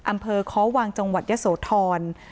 อำเภอควังจยศวทร